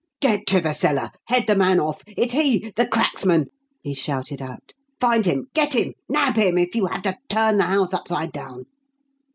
"Get to the cellar. Head the man off! It's he the Cracksman!" he shouted out. "Find him! Get him! Nab him, if you have to turn the house upside down!"